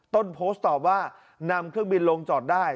ต้นโพสต์ตอบว่านำเครื่องบินลงจอดได้